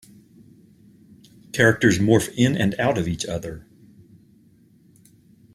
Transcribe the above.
Characters morph in and out of each other.